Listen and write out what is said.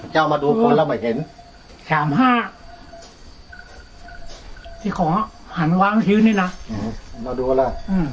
เจ้ามาดูคนแล้วไม่เห็นแข่มห้าที่ของหันว้างชิ้นนี่น่ะมาดูอะไรอืม